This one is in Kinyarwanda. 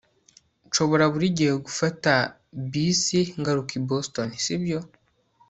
Nshobora buri gihe gufata bisi ngaruka i Boston sibyo